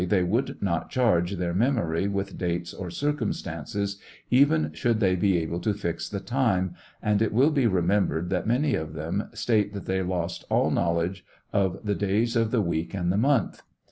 787 they would not charge their memory with dates or circnmstances, even should they be able to fix the time, and it will be remembered that many of them state that they lost all knowledge of the days of the week and the month.